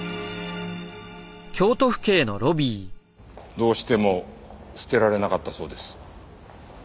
どうしても捨てられなかったそうです。